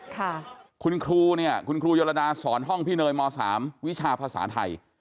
ค่ะคุณครูเนี่ยคุณครูโยดาสอนห้องพี่เนยมสามวิชาภาษาไทย